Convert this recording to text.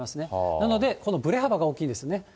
なので、ぶれ幅が大きいんですね。